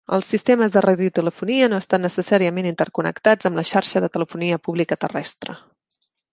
Els sistemes de radiotelefonia no estan necessàriament interconnectats amb la xarxa de telefonia pública "terrestre".